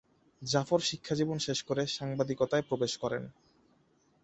জাফর শিক্ষাজীবন শেষ করে সাংবাদিকতায় প্রবেশ করেন।